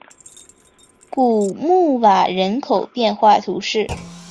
古穆瓦人口变化图示